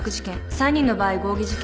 ３人の場合合議事件。